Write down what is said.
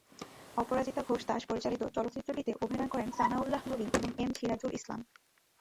অপরাজিতা ঘোষ দাশ পরিচালিত চলচ্চিত্রটিতে অভিনয় করেন সানাউল্লাহ নূরী এবং এম সিরাজুল ইসলাম।